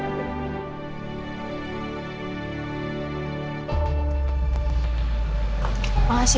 terima kasih ya